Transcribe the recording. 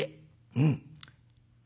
うん。